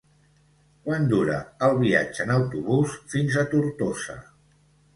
Quant dura el viatge en autobús fins a Tortosa?